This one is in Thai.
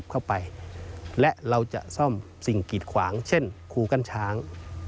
ก็เป็นช่วงเงินเอง